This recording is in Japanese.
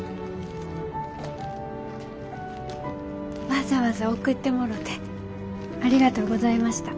わざわざ送ってもろてありがとうございました。